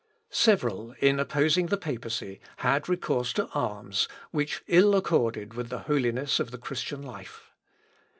Several, in opposing the Papacy, had recourse to arms which ill accorded with the holiness of the Christian life.